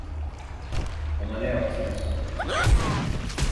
Ona ne yaptınız?